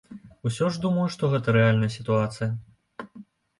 Усё ж думаю, што гэта рэальная сітуацыя.